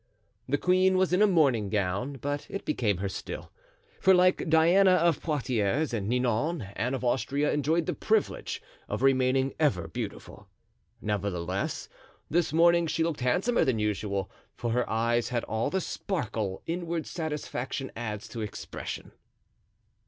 The queen was in a morning gown, but it became her still; for, like Diana of Poictiers and Ninon, Anne of Austria enjoyed the privilege of remaining ever beautiful; nevertheless, this morning she looked handsomer than usual, for her eyes had all the sparkle inward satisfaction adds to expression.